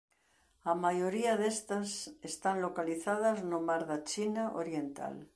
A maioría destas están localizadas no Mar da China Oriental.